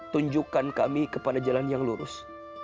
tunjukkan kami kepada jalan yang lurus